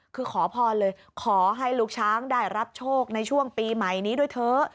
คือขอพรเลยขอให้ลูกช้างได้รับโชคในช่วงปีใหม่นี้ด้วยเถอะ